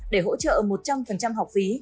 để hỗ trợ một trăm linh học phí